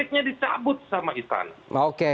listriknya dicabut sama istana